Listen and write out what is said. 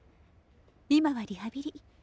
今はリハビリ。